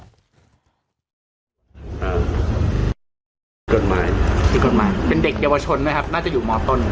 ผิดกฎหมายผิดกฎหมายเป็นเด็กเยาวชนไหมครับน่าจะอยู่มต้น